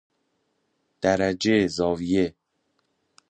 درجه زاویه